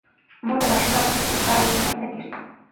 مور د ماشومانو د سترګو د معاینې اهمیت پوهیږي.